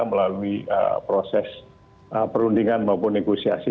melalui proses perundingan maupun negosiasi